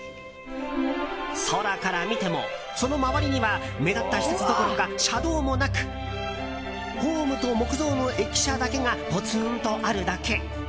空から見ても、その周りには目立った施設どころか車道もなくホームと木造の駅舎だけがぽつんとあるだけ。